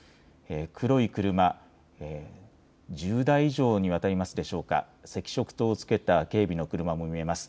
黒い車、１０台以上にわたりますでしょうか、赤色灯をつけた警備の車も見えます。